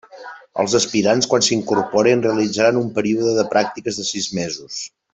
Els aspirants quan s'incorporin realitzaran un període de pràctiques de sis mesos.